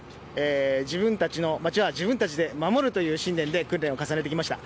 自分たちの町は自分たちで守るという信念で訓練を重ねてきました。